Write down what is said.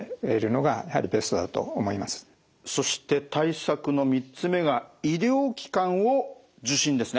そして対策の３つ目が「医療機関を受診」ですね。